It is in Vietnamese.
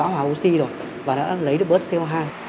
nó đã bảo hòa oxy rồi và nó đã lấy được bớt co hai